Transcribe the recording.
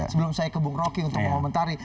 sebelum saya kebungrokin untuk mengomentari